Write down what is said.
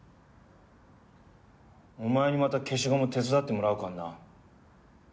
お前にまた消しゴム手伝ってもらうからな。